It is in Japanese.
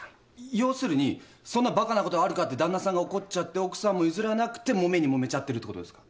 要するにそんなバカなことあるかって旦那さんが怒っちゃって奥さんも譲らなくてもめにもめちゃってるってことですか？